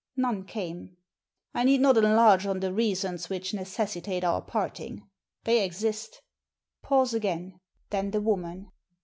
None came. " I need not enlarge on the reasons which necessi tate our parting^ They exist" Pause again. Then the woman.